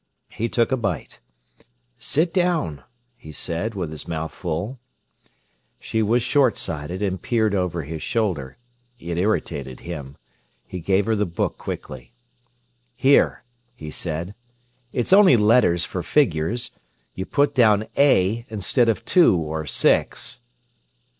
He took a bite. "Sit down," he said, with his mouth full. She was short sighted, and peered over his shoulder. It irritated him. He gave her the book quickly. "Here," he said. "It's only letters for figures. You put down 'a' instead of '2' or '6'."